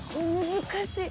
難しい。